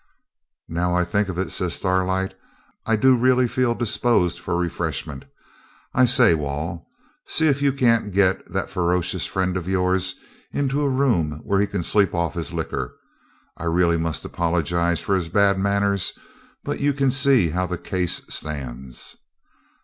'Now I think of it,' says Starlight, 'I do really feel disposed for refreshment. I say, Wall, see if you can't get that ferocious friend of yours into a room where he can sleep off his liquor. I really must apologise for his bad manners; but you see how the case stands.'